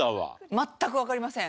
全くわかりません。